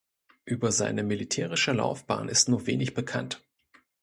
Über seine militärische Laufbahn ist nur wenig bekannt.